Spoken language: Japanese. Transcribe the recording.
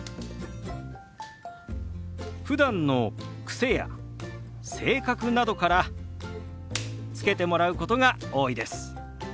ふだんの癖や性格などから付けてもらうことが多いです。